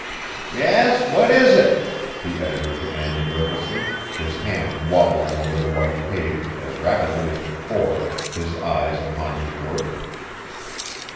'Yes, what is it?' the editor demanded nervously, his hand wobbling over the white page, as rapidly as before, his eyes upon his work.